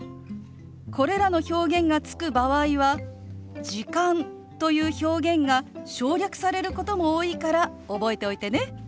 これらの表現がつく場合は「時間」という表現が省略されることも多いから覚えておいてね。